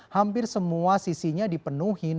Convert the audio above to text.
hampir semua sisinya dipenuhi